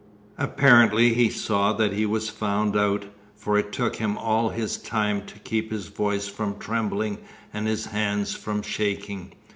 Apparently he saw that he was found out, for it took him all his time to keep his voice from trembling and his hands from shaking.